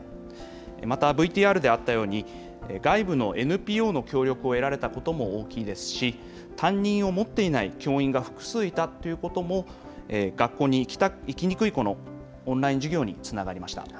またＶＴＲであったように、外部のＮＰＯの協力を得られたことも大きいですし、担任を持っていない教員が複数いたということも、学校に行きにくい子のオンライン授業につながりました。